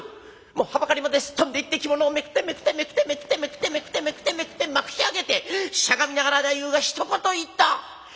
はばかりまですっ飛んでいって着物をめくってめくってめくってめくってめくってめくってめくってめくってまくし上げてしゃがみながら太夫がひと言言った。